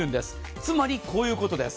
つまりこういうことです。